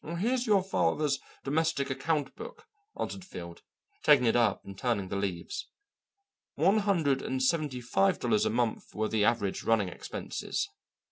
"Here's your father's domestic account book," answered Field, taking it up and turning the leaves. "One hundred and seventy five dollars a month were the average running expenses."